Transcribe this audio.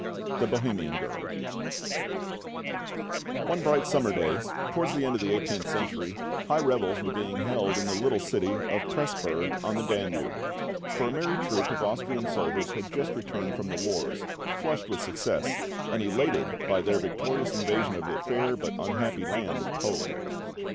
THE BOHEMIAN GIRL One bright summer day, towards the end of the eighteenth century, high revels were being held in the little city of Presburg, on the Danube; for a merry troupe of Austrian soldiers had just returned from the wars, flushed with success, and elated by their victorious invasion of the fair, but unhappy land of Poland.